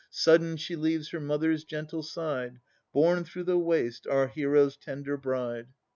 Sudden she leaves her mother's gentle side, Borne through the waste, our hero's tender bride.